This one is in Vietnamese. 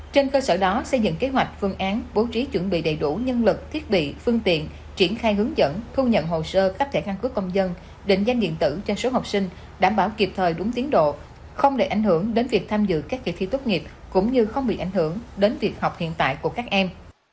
trên cơ sở đó xây dựng kế hoạch phương án bố trí chuẩn bị đầy đủ nhân lực thiết bị phương tiện triển khai hướng dẫn thu nhận hồ sơ cấp thẻ căn cước công dân định danh điện tử cho số học sinh đảm bảo kịp thời đúng tiến độ không để ảnh hưởng đến việc tham dự các kỳ thi tốt nghiệp cũng như không bị ảnh hưởng đến việc học hiện tại của các em